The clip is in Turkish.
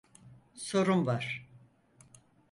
Sorum var.